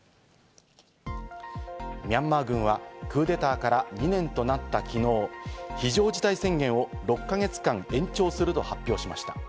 ミャンマー軍はクーデターから２年となった昨日、非常事態宣言を６か月間延長すると発表しました。